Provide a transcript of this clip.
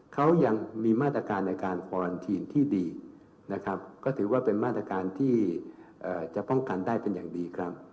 ก็ถือว่าเป็นมาตรการที่จะป้องกันได้เป็นอย่างดี